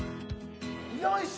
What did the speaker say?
よいしょ！